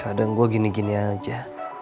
kadang gue gini gini aja